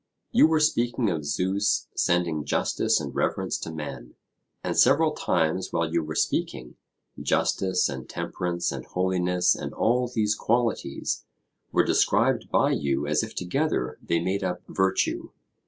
You were speaking of Zeus sending justice and reverence to men; and several times while you were speaking, justice, and temperance, and holiness, and all these qualities, were described by you as if together they made up virtue.